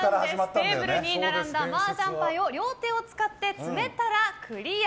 テーブルに並んだマージャン牌を両手を使って積めたらクリア。